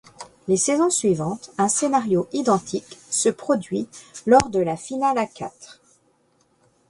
Les saisons suivantes, un scénario identique se produit lors de la Finale à quatre.